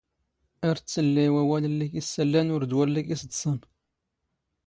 ⴰⵔ ⵜⵜⵙⵍⵍⴰ ⵉ ⵡⴰⵡⴰⵍ ⵍⵍⵉ ⴽ ⵉⵙⵙⴰⵍⵍⴰⵏ ⵓⵔ ⴷ ⵡⴰⵍⵍⵉ ⴽ ⵉⵙⴹⵚⴰⵏ.